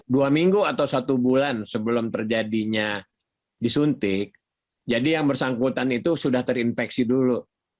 dua minggu atau satu bulan sebelum terjadinya disuntik jadi yang bersangkutan itu sudah terinfeksi dulu